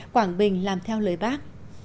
quảng bình làm theo lời bác